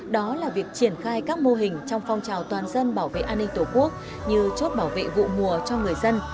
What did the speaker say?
đó là việc triển khai các mô hình trong phong trào toàn dân bảo vệ an ninh tổ quốc như chốt bảo vệ vụ mùa cho người dân